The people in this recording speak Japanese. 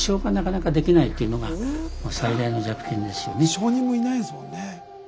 証人もいないですもんね。